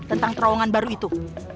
tentang terowongan baru itu